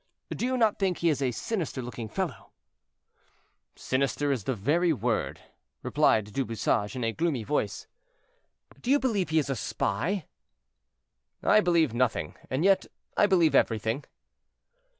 "Do you not think he is a sinister looking fellow?" "Sinister is the very word," replied Du Bouchage, in a gloomy voice. "Do you believe he is a spy?" "I believe nothing, and yet I believe everything."